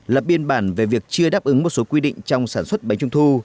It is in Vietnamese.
lập biên bản về việc chưa đáp ứng một số quy định trong sản xuất bánh trung thu